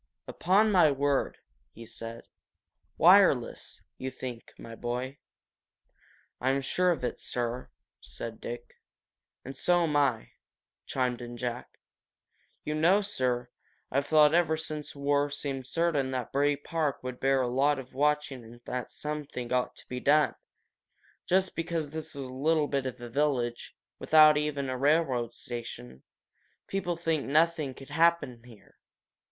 "Upon my word!" he said. "Wireless, you think, my boy?" "I'm sure of it, sir," said Dick. "And so'm I," chimed in Jack. "You know, sir, I've thought ever since war seemed certain that Bray Park would bear a lot of watching and that something ought to be done. Just because this is a little bit of a village, without even a railroad station, people think nothing could happen here.